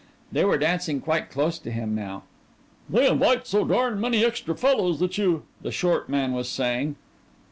They were dancing quite close to him now. " They invite so darn many extra fellas that you " the short man was saying.